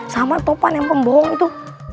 sama taufan yang pembohong itu